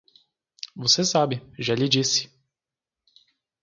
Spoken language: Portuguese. Você sabe; já lhe disse.